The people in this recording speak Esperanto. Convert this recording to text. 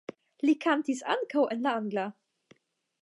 Li kantis ankaŭ en angla.